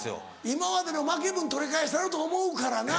今までの負け分取り返したろうと思うからな。